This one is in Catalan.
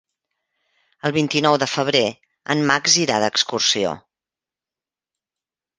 El vint-i-nou de febrer en Max irà d'excursió.